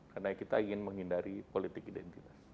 karena kita ingin menghindari politik identitas